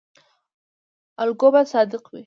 الګو باید صادق وي